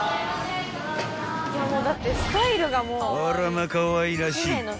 ［あらまかわいらしい］